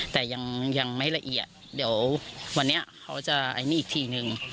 แต่ยังไม่ละเอียดเดี๋ยววันนี้เขาจะไอ้นี่อีกทีนึง